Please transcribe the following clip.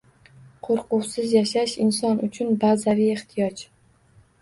Qo‘rquvsiz yashash inson uchun – bazaviy ehtiyoj.